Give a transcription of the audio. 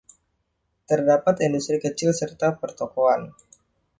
Terdapat industri kecil serta pertokoan.